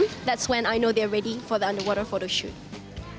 saat itu saya tahu bahwa mereka siap untuk foto di bawah air